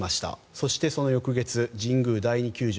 そして、その翌月神宮第二球場